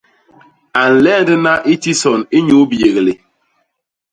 A nlendna i tison inyuu biyéglé.